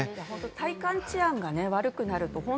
体感治安が悪くなる。